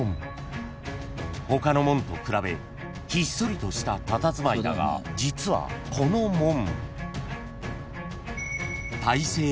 ［他の門と比べひっそりとしたたたずまいだが実はこの門］